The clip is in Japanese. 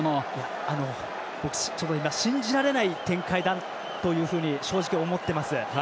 信じられない展開だというふうに正直、思っています。